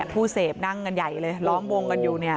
ผู้เสพนั่งกันใหญ่เลยล้อมวงกันอยู่เนี่ย